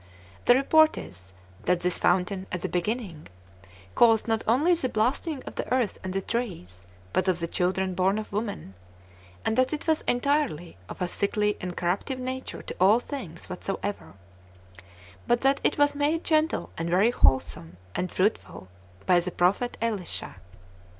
The report is, that this fountain, at the beginning, caused not only the blasting of the earth and the trees, but of the children born of women, and that it was entirely of a sickly and corruptive nature to all things whatsoever; but that it was made gentle, and very wholesome and fruitful, by the prophet Elisha.